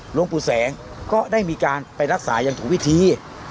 หลวงปู่แสงก็ได้มีการไปรักษาอย่างถูกวิธี